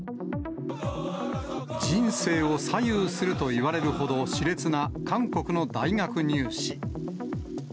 人生を左右するといわれるほどしれつな韓国の大学入試。